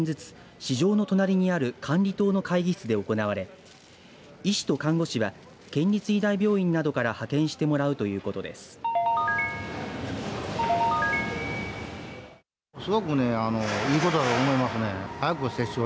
接種は１日およそ４００人ずつ市場の隣にある管理棟の会議室で行われ医師と看護師は県立医大病院などから派遣してもらうということです。